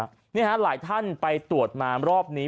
เพราะฉะนั้นหลายท่านไปตรวจมารอบนี้